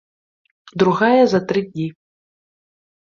Другая за тры дні.